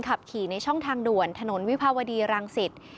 ขับขี่ในช่องทางด่วนถนนวิภาวดีรังสิต